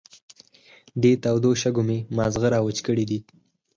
دې تودو شګو مې ماغزه را وچ کړې دي.